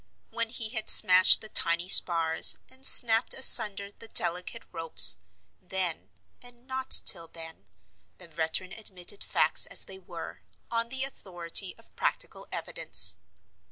When he had smashed the tiny spars, and snapped asunder the delicate ropes—then, and not till then, the veteran admitted facts as they were, on the authority of practical evidence.